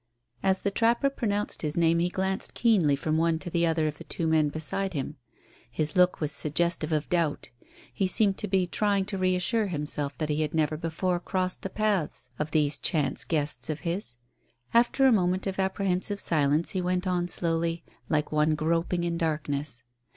As the trapper pronounced his name he glanced keenly from one to the other of the two men beside him. His look was suggestive of doubt. He seemed to be trying to re assure himself that he had never before crossed the paths of these chance guests of his. After a moment of apprehensive silence he went on slowly, like one groping in darkness.